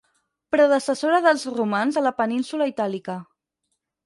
Predecessora dels romans a la península itàlica.